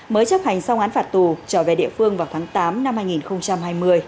mới chấp hành xong án phạt tù trở về địa phương vào tháng tám năm hai nghìn hai mươi